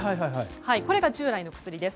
これが従来の薬です。